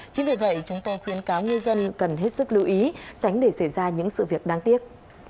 chính vì vậy chúng tôi khuyến cáo người dân cần hết sức lưu ý tránh để xảy ra những sự việc đáng tiếc